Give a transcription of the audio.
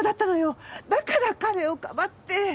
だから彼をかばって。